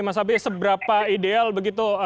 mas habib seberapa ideal begitu